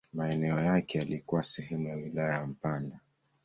Maeneo yake yalikuwa sehemu ya wilaya ya Mpanda.